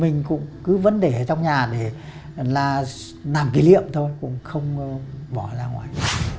những khóa chứa đồ điện tử mini